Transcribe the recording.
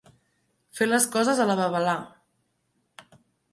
Fer les coses a la babalà.